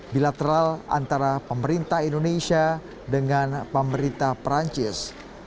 bilateral antara pemerintah indonesia dengan pemerintah perancis